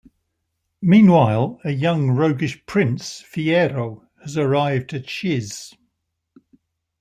Meanwhile, a young roguish prince, Fiyero, has arrived at Shiz.